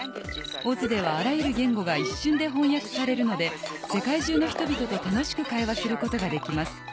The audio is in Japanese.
ＯＺではあらゆる言語が一瞬で翻訳されるので世界中の人々と楽しく会話することができます。